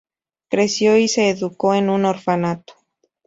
Creció y se educó en un orfanato.